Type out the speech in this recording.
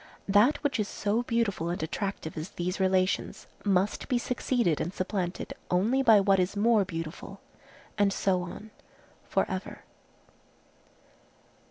That which is so beautiful and attractive as these relations, must be succeeded and supplanted only by what is more beautiful, and so on for ever.